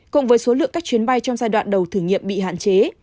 cùng với số lượng các chuyến bay trong giai đoạn đầu thử nghiệm bị hạn chế